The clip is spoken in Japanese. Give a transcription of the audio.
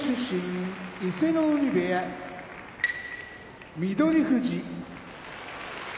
伊勢ノ海部屋翠富士